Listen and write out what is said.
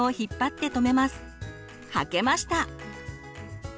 履けました！